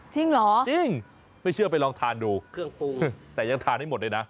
จริงเหรอจริงไม่เชื่อไปลองทานดูเครื่องปรุงแต่ยังทานให้หมดเลยนะ